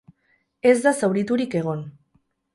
Ez da zauriturik egon.